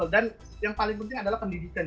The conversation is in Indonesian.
dan yang paling penting adalah pendidikan